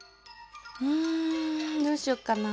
うんどうしよっかな。